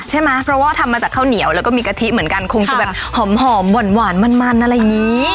ใช่ไหมเพราะว่าทำมาจากข้าวเหนียวแล้วก็มีกะทิเหมือนกันคงจะแบบหอมหวานมันอะไรอย่างนี้